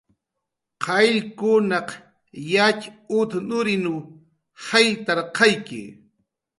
Qayllkunaq yatxut nurinw jayllarqayki